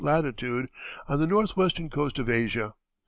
latitude, on the northwestern coast of Asia.